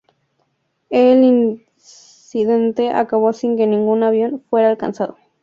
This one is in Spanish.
El incidente acabó sin que ningún avión fuera alcanzado.